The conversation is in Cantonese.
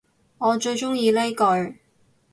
我最鍾意呢句